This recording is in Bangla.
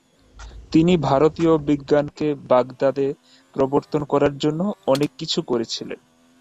তিনি ভারতীয় বিজ্ঞানকে বাগদাদে প্রবর্তন করার জন্য অনেক কিছু করেছিলেন।